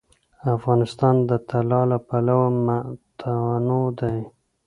افغانستان د طلا له پلوه متنوع دی.